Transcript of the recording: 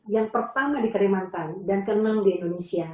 yang pertama di kalimantan dan ke enam di indonesia